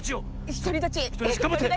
ひとりだちがんばって。